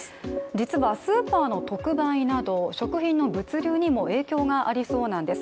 実はスーパーの特売など、食品の物流にも影響がありそうなんです。